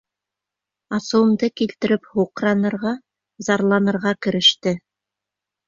Асыуымды килтереп, һуҡранырға, зарланырға кереште.